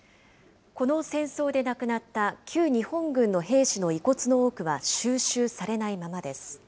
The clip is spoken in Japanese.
この戦争で亡くなった旧日本軍の兵士の遺骨の多くは収集されないままです。